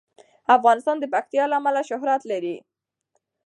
افغانستان د پکتیا له امله شهرت لري.